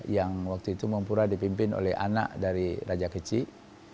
yang waktu itu mempura dipimpin oleh anak dari raja kecik